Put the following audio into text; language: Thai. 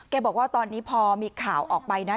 บอกว่าตอนนี้พอมีข่าวออกไปนะ